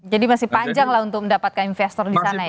jadi masih panjang lah untuk mendapatkan investor di sana ya